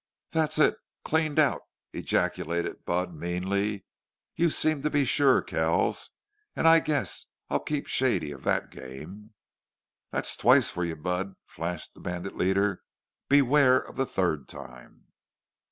"Thet's it cleaned out!" ejaculated Budd, meanly. "You seem to be sure, Kells. An' I guess I'll keep shady of thet game." "That's twice for you, Budd," flashed the bandit leader. "Beware of the third time!"